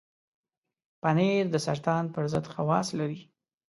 پنېر د سرطان پر ضد خواص لري.